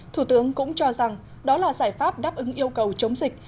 thủ tướng cũng cho rằng đó là giải pháp đáp ứng yêu cầu chống dịch